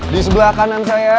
di sebelah kanan saya